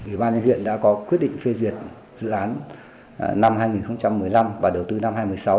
ủy ban nhân huyện đã có quyết định phê duyệt dự án năm hai nghìn một mươi năm và đầu tư năm hai nghìn một mươi sáu